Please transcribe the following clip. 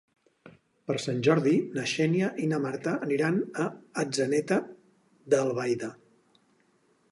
Per Sant Jordi na Xènia i na Marta aniran a Atzeneta d'Albaida.